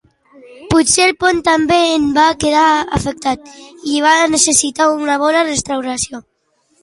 Potser el pont també en va quedar afectat i va necessitar una bona restauració.